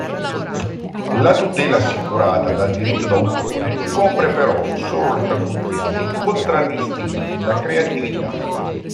La tutela assicurata dal diritto d'autore copre però solo le traduzioni contraddistinte da creatività.